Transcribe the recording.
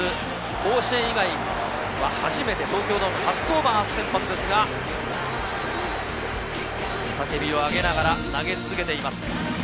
甲子園以外は初めて東京ドーム初登板初先発ですが、雄たけびを上げながら投げ続けています。